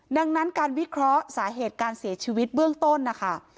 ดังนั้นการวิเคราะห์สาเหตุการเสียชีวิตเบื้องต้นนะคะ